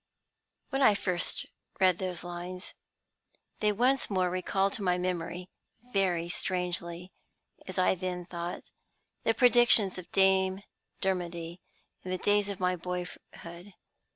When I first read those lines, they once more recalled to my memory very strangely, as I then thought the predictions of Dame Dermody in the days of my boyhood.